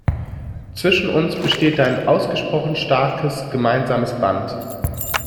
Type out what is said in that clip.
Zwischen uns besteht ein ausgesprochen starkes gemeinsames Band.